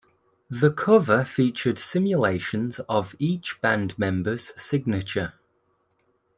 The cover featured simulations of each band member's signature.